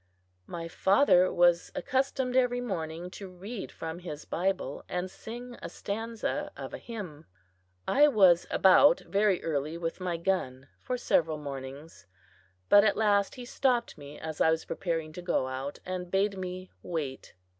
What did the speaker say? My father was accustomed every morning to read from his Bible, and sing a stanza of a hymn. I was about very early with my gun for several mornings; but at last he stopped me as I was preparing to go out, and bade me wait.